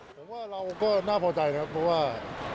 ผมว่าเราก็น่าพอใจครับเพราะว่า